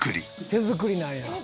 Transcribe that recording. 手作りなんや。